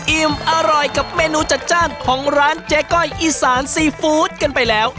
อิ่มอร่อยกับเมนูจัดจ้านของร้านเจ๊ก้อยอีสานซีฟู้ดกันไปแล้ว